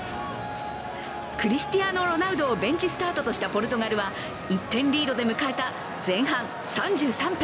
クリスチアーノ・ロナウドをベンチスタートとしたポルトガルは１点リードで迎えた前半３３分。